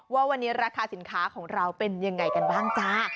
ว่าวันนี้ราคาสินค้าของเราเป็นยังไงกันบ้างจ้า